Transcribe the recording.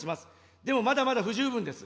でもまだまだ不十分です。